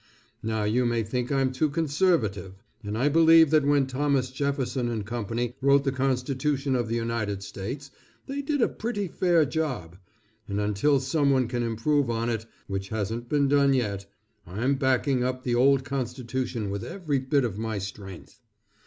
Now you may think I'm too conservative, but I believe that when Thomas Jefferson & Co. wrote the constitution of the United States they did a pretty fair job, and until some one can improve on it, which hasn't been done yet, I'm backing up the old constitution with every bit of my strength.